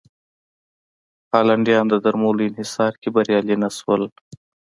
هالنډیان د درملو انحصار کې بریالي نه شول.